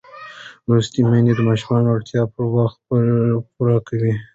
لوستې میندې د ماشوم اړتیاوې پر وخت پوره کوي.